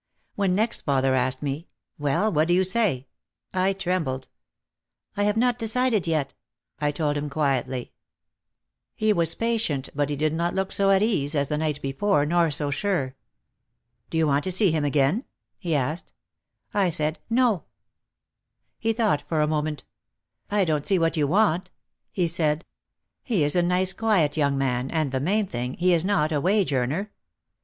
When next father asked me, "Well, what do you say?" I trembled. "I have not decided yet," I told him quietly. "Vlv C Oi/v< ; HE STOOD STIRRING THE CAN WITH A STICK. OUT OF THE SHADOW 205 He was patient but he did not look so at ease as the night before, nor so sure. "Do you want to see him again ?" he asked. I said: "No." He thought for a moment. "I don't see what you want," he said. "He is a nice quiet young man and the main thing, he is not a wage earner.